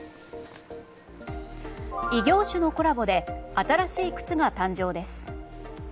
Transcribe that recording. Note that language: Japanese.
異業種のコラボで新しい靴が誕生です。